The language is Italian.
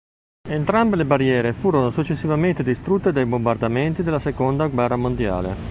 Entrambe le barriere furono successivamente distrutte dai bombardamenti della Seconda guerra mondiale.